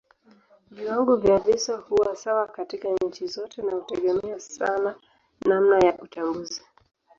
Viwango vya visa huwa sawa katika nchi zote na hutegemea sana namna ya utambuzi.